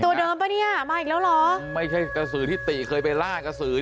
ตัวเดิมป่ะเนี่ยมาอีกแล้วเหรอไม่ใช่กระสือที่ติเคยไปล่ากระสือ